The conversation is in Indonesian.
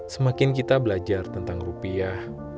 semakin kita belajar tentang rupiah